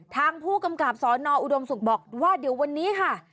ทางผู้กำกับสอนออุดมศุกร์บอกว่าเดี๋ยววันนี้ค่ะ